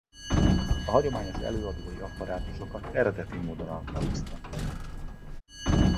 A hagyományos előadói apparátusokat eredeti módon alkalmazta.